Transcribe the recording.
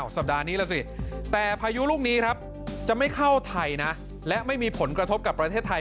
สัปดาห์นี้แล้วสิแต่พายุลูกนี้ครับจะไม่เข้าไทยนะและไม่มีผลกระทบกับประเทศไทย